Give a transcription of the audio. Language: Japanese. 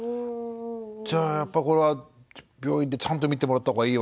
じゃあやっぱりこれは病院でちゃんと診てもらった方がいいはいいんですよね。